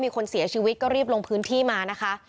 มีคนเสียชีวิตก็รีบลงพื้นที่มานะคะ